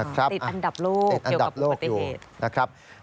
ติดอันดับโลกเกี่ยวกับอุบัติเหตุนะครับ